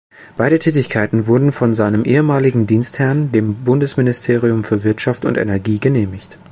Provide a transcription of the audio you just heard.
Beide Tätigkeiten wurden von seinem ehemaligen Dienstherrn, dem Bundesministerium für Wirtschaft und Energie, genehmigt.